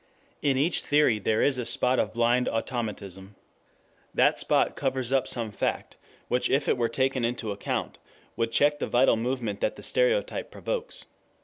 In each theory there is a spot of blind automatism. That spot covers up some fact, which if it were taken into account, would check the vital movement that the stereotype provokes.